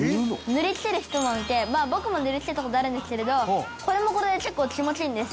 「塗り付ける人もいてまあ僕も塗り付けた事あるんですけれどこれもこれで結構気持ちいいんです」